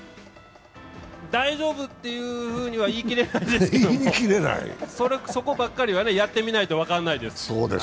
大丈夫っていうふうには言い切れないですけどそこばっかりは、やってみないと分からないです。